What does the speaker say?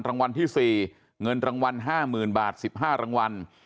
รางวัลที่๔เงินรางวัล๕๐๐๐บาท๑๕รางวัล